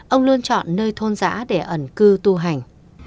ông luôn chọn nơi thôn giã để ẩn cư tu hành